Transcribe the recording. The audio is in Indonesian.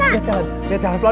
bisa kan pelan pelan